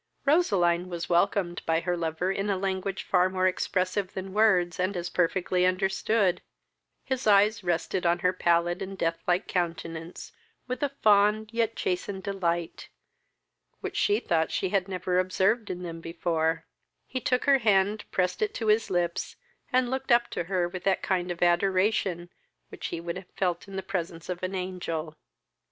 Roseline was welcomed by her lover in a language far more expressive than words, and as perfectly understood: his eyes rested on her pallid and death like countenance, with a fond, yet chastened delight, which she thought she had never observed in them before; he took her hand, pressed it to his lips, and looked up to her with that kind of adoration which he would have felt in the presence of an angel.